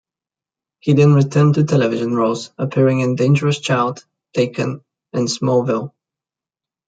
He then returned to television roles, appearing in "Dangerous Child", "Taken", and "Smallville".